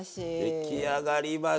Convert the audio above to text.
出来上がりました。